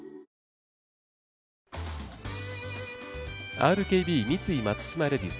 ＲＫＢ×三井松島レディス。